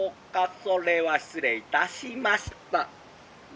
それは失礼いたしました」。